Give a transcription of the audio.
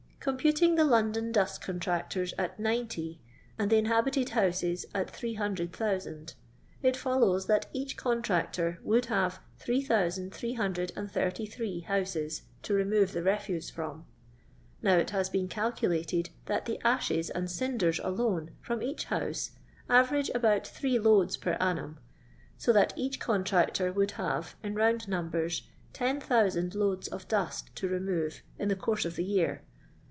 Computing the London dustrcontractors at 90, and the inhabited houses at 300,000, it follows that each contractor would have 3383 houses to remove the refuse from. Now it has been calcu lated that the ashes and cinders alone from each house average about three loads per annum, so that each contractor would have, in round num bers, 10,000 loads of dust to remove in the course of the year.